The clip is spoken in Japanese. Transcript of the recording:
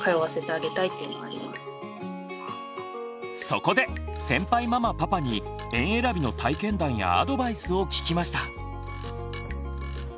そこで先輩ママパパに園えらびの体験談やアドバイスを聞きました。